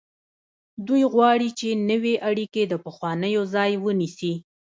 دوی غواړي چې نوې اړیکې د پخوانیو ځای ونیسي.